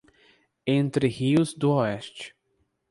Entre Rios do Oeste